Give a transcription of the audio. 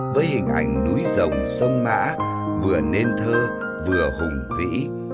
với hình ảnh núi rồng sông mã vừa nên thơ vừa hùng vĩ